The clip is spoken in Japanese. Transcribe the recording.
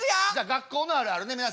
学校のあるあるね皆さん。